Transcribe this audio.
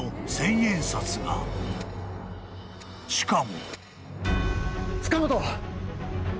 ［しかも］